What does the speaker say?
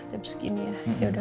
cepat segini ya